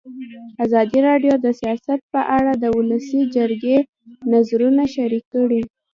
ازادي راډیو د سیاست په اړه د ولسي جرګې نظرونه شریک کړي.